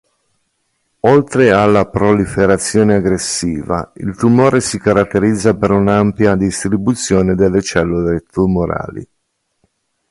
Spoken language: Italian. Oltre alla proliferazione aggressiva il tumore si caratterizza per un'ampia distribuzione delle cellule tumorali.